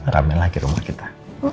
rame lagi rumah kita